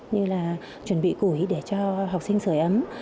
như là chuẩn bị củi để cho học sinh sửa ấm